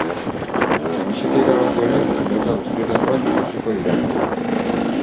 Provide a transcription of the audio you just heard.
Kamisetei dagokienez, mota guztietakoak ikusiko dira.